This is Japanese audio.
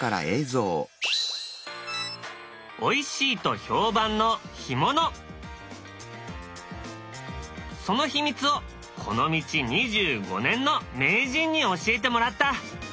おいしいと評判のその秘密をこの道２５年の名人に教えてもらった。